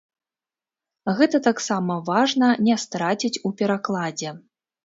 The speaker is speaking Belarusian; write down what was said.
Гэта таксама важна не страціць у перакладзе.